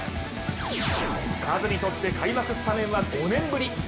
カズにとって、開幕スタメンは５年ぶり。